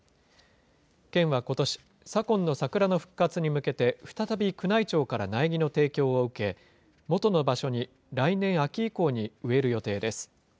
県はことし、左近の桜の復活に向けて、再び宮内庁から苗木の提供を受け、元の場所に来年秋以降に植える予定です。